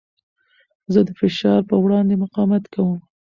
زه د فشار په وړاندې مقاومت کوم.